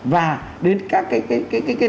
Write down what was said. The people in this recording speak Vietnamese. và đến các cái